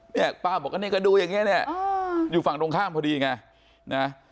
เนี่ยป้าบอกก็เนี่ยก็ดูอย่างนี้เนี่ยอยู่ฝั่งตรงข้ามพอดีไงนะ